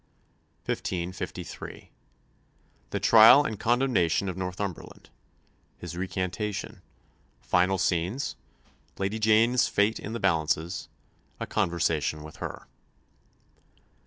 CHAPTER XX 1553 Trial and condemnation of Northumberland His recantation Final scenes Lady Jane's fate in the balances A conversation with her.